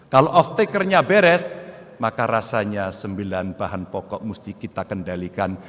kalau off takernya beres maka rasanya sembilan bahan pokok mesti kita kendalikan